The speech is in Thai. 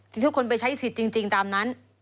ทุกคนไปใช้สิทธิ์จริงตามนั้น